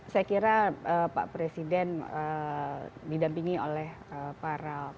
saya kira pak presiden didampingi oleh para